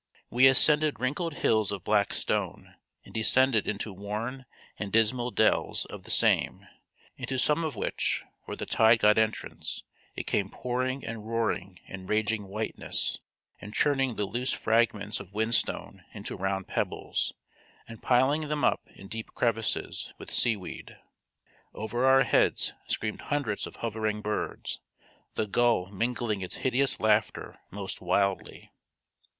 We ascended wrinkled hills of black stone, and descended into worn and dismal dells of the same, into some of which, where the tide got entrance, it came pouring and roaring in raging whiteness, and churning the loose fragments of whinstone into round pebbles, and piling them up in deep crevices, with seaweed. Over our heads screamed hundreds of hovering birds, the gull mingling its hideous laughter most wildly.